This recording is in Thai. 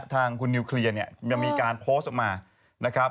ยังมีการโพสต์ออกมานะครับ